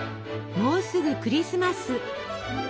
もうすぐクリスマス！